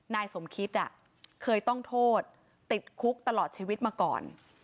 นายสมคิตเคยต้องโทษติดคุกตลอดชีวิตมาก่อน